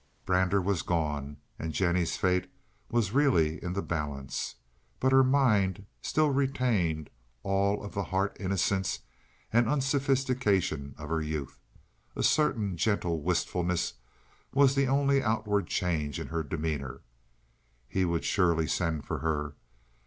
Brander was gone, and Jennie's fate was really in the balance. But her mind still retained all of the heart innocence, and unsophistication of her youth; a certain gentle wistfulness was the only outward change in her demeanor. He would surely send for her.